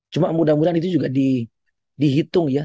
cuma mudah mudahan itu juga dihitung ya